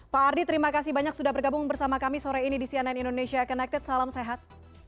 pak ardi terima kasih banyak sudah bergabung bersama kami sore ini di cnn indonesia connected salam sehat